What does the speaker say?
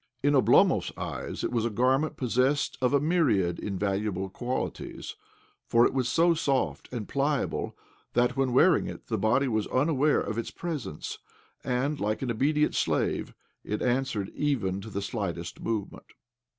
In Oblomov's eyes it was a garment possessed of a myriad invaluable qualities, for it was so soft arid pliable that, when wearing it, the body was unaware of its presence, and, like an obedient slave, it answered even to the slightest movement.